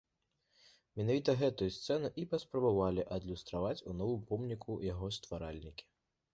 Менавіта гэтую сцэну і паспрабавалі адлюстраваць у новым помніку яго стваральнікі.